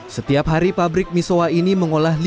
setiap hari pabrik misoa ini mengolah